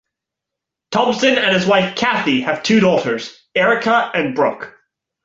Thompson and his wife Cathy have two daughters, Erika and Brooke.